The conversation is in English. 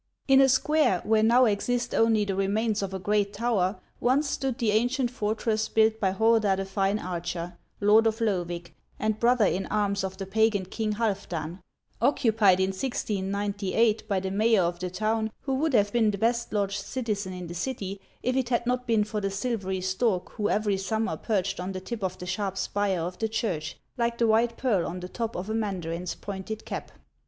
In a square where now 166 HAMS OF ICELAND. exist only the remains of a great tower, once stood the ancient fortress built by Horda the Fine Archer, lord of Loevig, and brother in anns of the pagan king Halfdan, occupied in 1608 by the mayor of the town, who would have been the best lodged citizen in the city, if it had not been for the silvery stork who every summer perched on the tip of the sharp spire of the church, like the white pearl on the top of a mandarin's pointed cap.